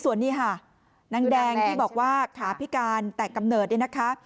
ส่วนนี้ค่ะนางแดงที่บอกว่าขาพิการแต่กำเนิดเนี่ยนะคะ